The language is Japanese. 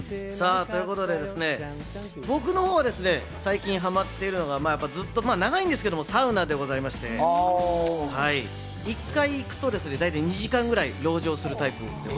ということで僕のほうは最近ハマっているのがまぁずっと長いんですけどサウナでございまして、１回行くと大体２時間ぐらい籠城するタイプ。